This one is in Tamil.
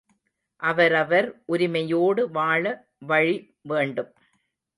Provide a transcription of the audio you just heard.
அவரவர் உரிமையோடு வாழ வழி வேண்டும்.